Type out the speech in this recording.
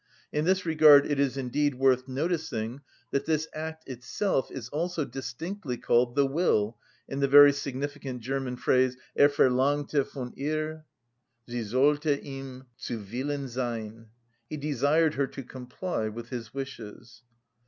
In this regard it is indeed worth noticing that this act itself is also distinctly called "the will" in the very significant German phrase, "Er verlangte von ihr, sie sollte ihm zu Willen sein" (He desired her to comply with his wishes).